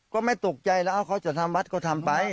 ก็ไม่ตกใจแล้วเขาจะทำวัดก็ทำไป